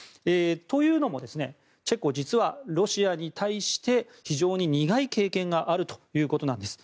というのもチェコは実はロシアに対して非常に苦い経験があるということなんです。